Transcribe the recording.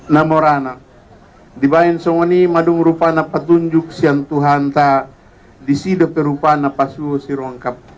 namorana dibayang sony madung rupanya petunjuk siang tuhan tak disidupi rupanya pasu sirongkap